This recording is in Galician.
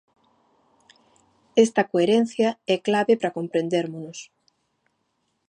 Esta coherencia é clave para comprendérmonos.